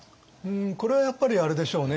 これはやっぱりあれでしょうね